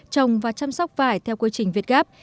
trồng và chăm sóc vải theo quy trình việt gáp